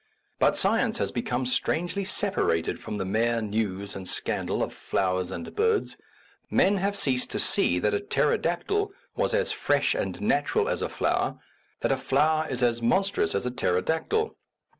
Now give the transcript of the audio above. But science has become strangely separated from the mere news and scandal of flowers and birds ; men have ceased to see that a pterodactyl was as fresh and natural as a flower, that a flower is as mon trous as a pterodactyl.